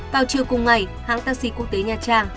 vào chiều cùng ngày hãng taxi quốc tế nha trang